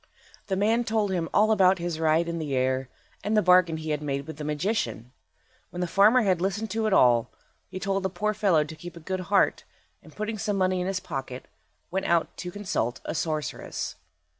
The man told him all about his ride in the air, and the bargain he had made with the magician. When the farmer had listened to it all, he told the poor fellow to keep a good heart, and putting some money in his pocket, went out to consult a sorceress.